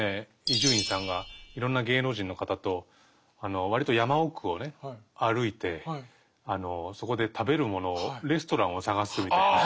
伊集院さんがいろんな芸能人の方と割と山奥をね歩いてそこで食べるものをレストランを探すみたいな。